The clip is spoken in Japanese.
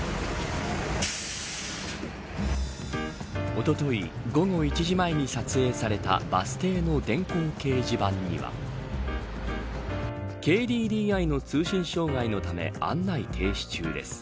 おととい、午後１時前に撮影されたバス停の電光掲示板にはＫＤＤＩの通信障害のため案内停止中です。